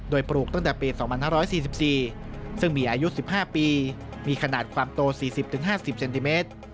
โดยปลูกตั้งแต่ปี๒๕๔๔ซึ่งมีอายุ๑๕ปีมีขนาดความโต๔๐๕๐เซนติเมตร